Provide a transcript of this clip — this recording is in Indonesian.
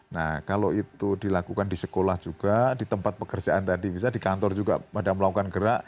nah kalau itu dilakukan di sekolah juga di tempat pekerjaan tadi misalnya di kantor juga pada melakukan gerak